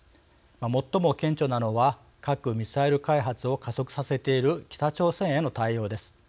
最も顕著なのは核・ミサイル開発を加速させている北朝鮮への対応です。